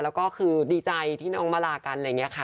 แล้วก็คือดีใจที่น้องมาลากันอะไรอย่างนี้ค่ะ